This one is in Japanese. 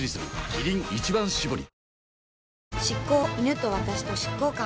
キリン「一番搾り」